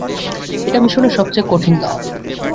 এটা মিশনের সবচেয়ে কঠিন ধাপ।